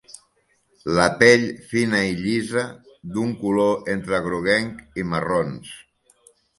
La pell fina i llisa, d'un color entre groguenc i marrons.